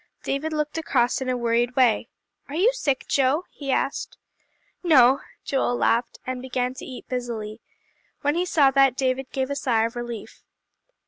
David looked across in a worried way. "Are you sick, Joe?" he asked. "No." Joel laughed, and began to eat busily. When he saw that, David gave a sigh of relief.